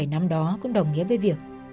bảy năm đó cũng đồng nghĩa với việc